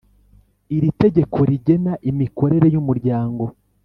Iri tegeko rigena imikorere y’Umuryango